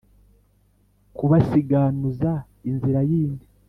Kubasiganuza inzira yindi,